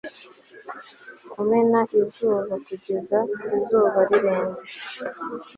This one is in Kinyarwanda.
kumena izuba kugeza izuba rirenze